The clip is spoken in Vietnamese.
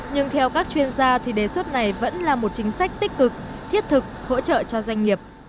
nhưng theo các chuyên gia thì đề xuất này vẫn là một chính sách tích cực thiết thực hỗ trợ cho doanh nghiệp